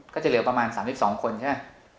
ก็จะเหลือประมาณ๓๒คนใช่ไหม